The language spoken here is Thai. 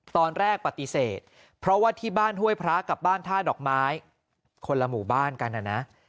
ตอนแรกปฏิเสธเพราะว่าที่บ้านห้วยพระกับบ้านท่าดอกไม้คนละหมู่บ้านกันนะนะ